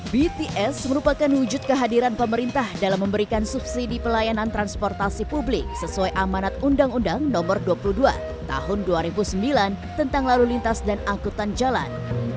bts merupakan wujud kehadiran pemerintah dalam memberikan subsidi pelayanan transportasi publik sesuai amanat undang undang no dua puluh dua tahun dua ribu sembilan tentang lalu lintas dan angkutan jalan